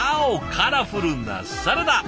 カラフルなサラダ！